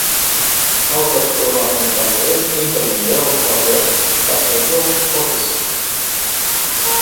Аўтар прыватных дамоў, інтэр'ераў кватэр, катэджаў, офісаў.